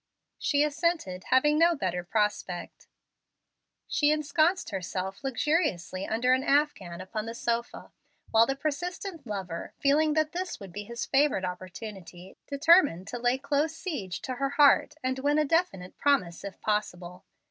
She assented, having no better prospect. She ensconced herself luxuriously under an afghan upon the sofa, while the persistent lover, feeling that this would be his favored opportunity, determined to lay close siege to her heart, and win a definite promise, if possible.